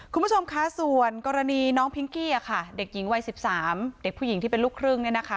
คุณผู้ชมคะส่วนกรณีน้องพิงกี้ค่ะเด็กหญิงวัย๑๓เด็กผู้หญิงที่เป็นลูกครึ่งเนี่ยนะคะ